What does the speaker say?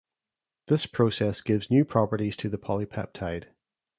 This process gives new properties to the polipeptide.